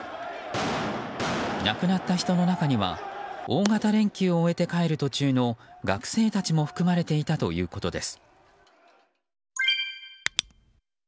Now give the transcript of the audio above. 亡くなった人の中には大型連休を終えて帰る途中の学生たちも含まれていたということです。